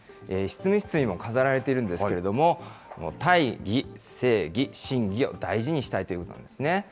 執務室にも飾られているんですけれども、大義、正義、信義を大事にしたいということなんですね。